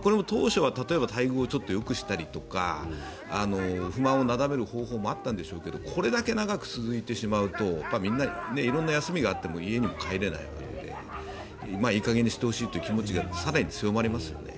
これも当初は例えば待遇をちょっとよくしたりとか不満をなだめる方法もあったんでしょうけどこれだけ長く続いてしまうとみんな、色んな休みがあっても家にも帰れないのでいい加減にしてほしいという気持ちが更に強まりますよね。